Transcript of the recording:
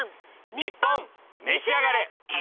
『ニッポンめしあがれ』。